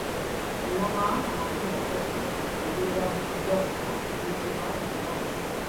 Engoma amakumi asatu ebeera mu mujaguzo ziyitibwa enjawuzi.